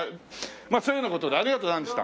まあそういうような事でありがとうございました。